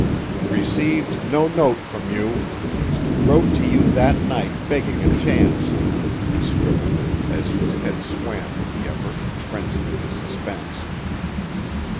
"Received no note from you. Wrote to you that night begging a chance," he scribbled, as his head swam with the effort and frenzy of his suspense.